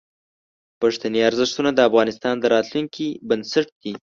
پښتني ارزښتونه د افغانستان د راتلونکي بنسټ دي.